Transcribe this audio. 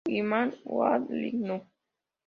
Saginaw Bay Light No.